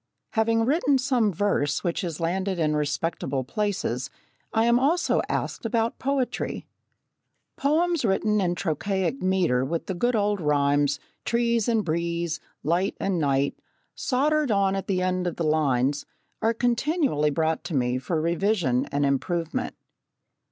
Having written some verse which has landed in respectable places, I am also asked about poetry. Poems written in trochaic metre with the good old rhymes, "trees and breeze," "light and night," soldered on at the end of the lines, are continually brought to me for revision and improvement.